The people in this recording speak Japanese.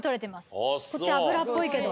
こっち油っぽいけど。